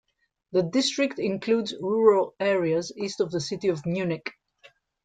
The district includes rural areas east of the city of Munich.